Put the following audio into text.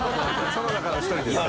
その中の１人ですよね。